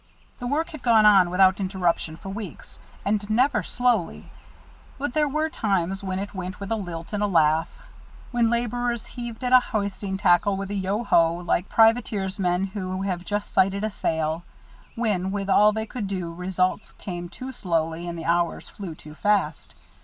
The work had gone on without interruption for weeks, and never slowly, but there were times when it went with a lilt and a laugh; when laborers heaved at a hoisting tackle with a Yo ho, like privateersmen who have just sighted a sail; when, with all they could do, results came too slowly, and the hours flew too fast.